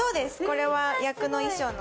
これは。